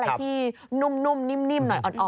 อะไรที่นุ่มนิ่มหน่อยอ่อน